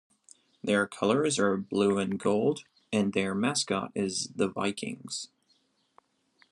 Their colors are blue and gold, and their mascot is the Vikings.